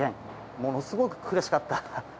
ものすごく苦しかった。